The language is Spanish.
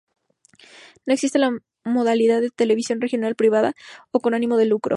No existe la modalidad de Televisión regional privada o con ánimo de lucro.